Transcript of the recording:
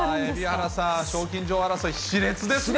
蛯原さん、賞金女王争い、しれつですね。